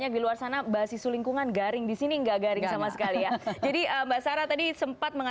yang lebih dari dua ratus triliun